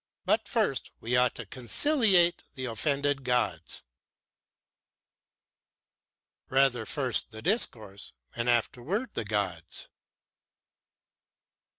But first we ought to conciliate the offended gods." "Rather, first the discourse and afterward the gods."